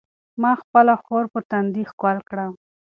ما خپله خور په تندي ښکل کړه.